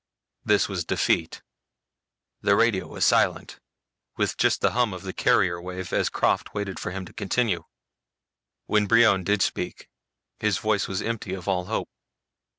This was defeat. The radio was silent, with just the hum of the carrier wave as Krafft waited for him to continue. When Brion did speak his voice was empty of all hope.